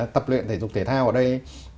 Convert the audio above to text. tập luyện thể dục thể thao ở đây